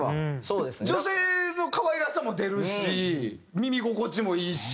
女性の可愛らしさも出るし耳心地もいいし。